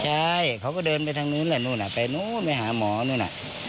ใช่เค้าก็เดินไปทางนู้นแหละไปนู้นไปหาหมอนู้น